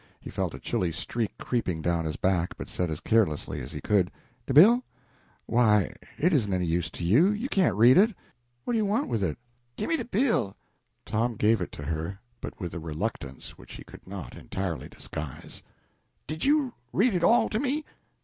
He felt a chilly streak creeping down his back, but said as carelessly as he could "The bill? Why, it isn't any use to you, you can't read it. What do you want with it?" "Gimme de bill!" Tom gave it to her, but with a reluctance which he could not entirely disguise. "Did you read it all to me?"